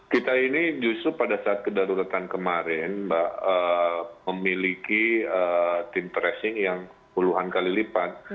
kita ini justru pada saat kedaruratan kemarin mbak memiliki tim tracing yang puluhan kali lipat